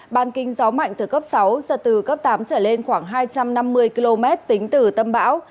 ban kinh gió mạnh từ cấp sáu giật từ cấp tám trở lên khoảng hai trăm năm mươi km tính từ tâm bão